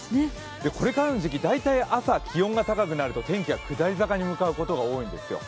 これからの時期、大体、朝気温が高くなると天気が下り坂に向かうことが多いんですよ。